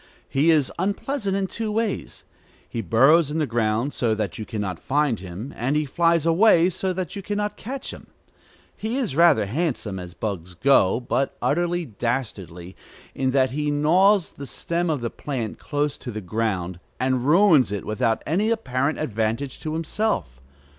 He is unpleasant in two ways. He burrows in the ground so that you can not find him, and he flies away so that you can not catch him. He is rather handsome, as bugs go, but utterly dastardly, in that he gnaws the stem of the plant close to the ground, and ruins it without any apparent advantage to himself.